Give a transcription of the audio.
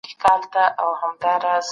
صنعتي کاروبار څنګه د مالي ستونزو حل کوي؟